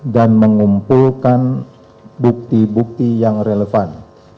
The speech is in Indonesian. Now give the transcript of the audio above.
dan mengumpulkan bukti bukti yang relevan